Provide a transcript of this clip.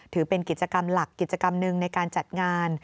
ถือเป็นกิจกรรมหลักกิจกรรมหนึ่งในการจัดงาน